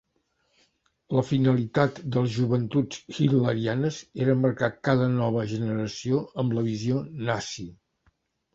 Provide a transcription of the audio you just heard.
La finalitat de les Joventuts Hitlerianes era marcar cada nova generació amb la visió nazi.